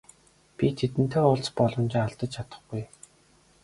Би тэдэнтэй уулзах боломжоо алдаж чадахгүй.